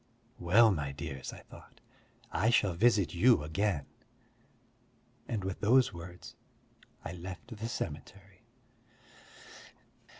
"Well, my dears," I thought, "I shall visit you again." And with those words, I left the cemetery.